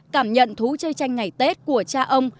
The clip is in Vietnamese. cảm nhận thú chơi tranh ngày tết của cha ông